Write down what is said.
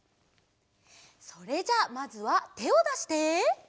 それじゃあまずはてをだして。